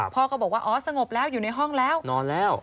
พ่อก็บอกว่าอ๋อสงบแล้วอยู่ในห้องแล้วนอนแล้ว